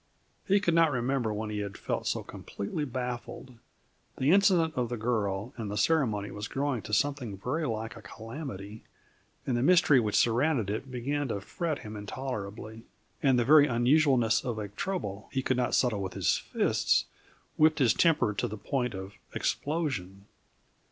He could not remember when he had felt so completely baffled; the incident of the girl and the ceremony was growing to something very like a calamity, and the mystery which surrounded it began to fret him intolerably; and the very unusualness of a trouble he could not settle with his fists whipped his temper to the point of explosion.